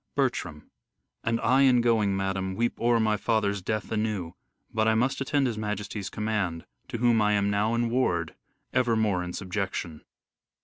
Bertram : And I in going, madam, weep o'er my father's death anew ; but I must attend his majesty's command, to whom I am now in ward evermore in subjection.